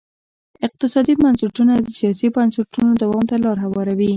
اقتصادي بنسټونه د سیاسي بنسټونو دوام ته لار هواروي.